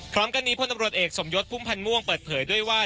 พร้อมกันนี้พลตำรวจเอกสมยศพุ่มพันธ์ม่วงเปิดเผยด้วยว่า